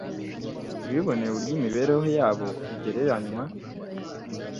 biboneye uburyo imibereho yabo igereranywa